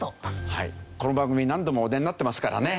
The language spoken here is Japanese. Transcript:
はいこの番組何度もお出になってますからね。